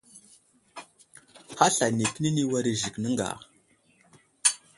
Hasla nikəni ni war i Zik nəŋga.